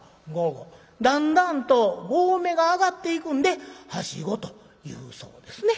だんだんと合目が上がっていくんで「はしご」と言うそうですね。